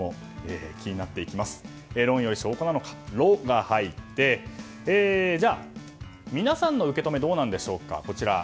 論より証拠なのか「ロ」が入ってでは、皆さんの受け止めはどうなんでしょうか。